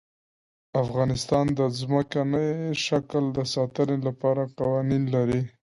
افغانستان د ځمکنی شکل د ساتنې لپاره قوانین لري.